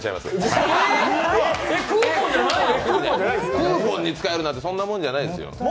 クーポンに使えるなんてそんなもんじゃないですよ。